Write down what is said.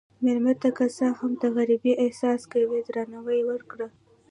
مېلمه ته که څه هم د غریبۍ احساس کوي، درناوی ورکړه.